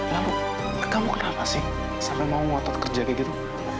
lalu ke kamu kenapa sih sampai mau ngotot kerja kayak gitu